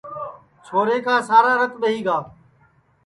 چھورے کُا سارا رت ٻئہی گا